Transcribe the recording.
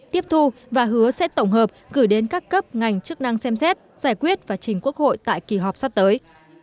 tiếp thu và hứa sẽ tổng hợp gửi đến các cấp ngành chức năng xem xét giải quyết và trình quốc hội tại kỳ họp sắp tới